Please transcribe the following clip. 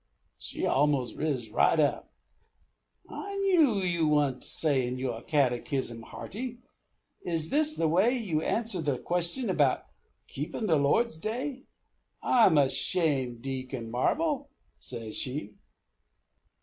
She almost riz right up, 'I knew you wa'n't sayin' your catechism hearty. Is this the way you answer the question about keepin' the Lord's day? I'm ashamed, Deacon Marble,' says she.